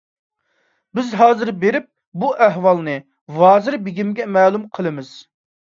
بىز ھازىر بېرىپ، بۇ ئەھۋالنى ۋازىر بېگىمگە مەلۇم قىلىمىز.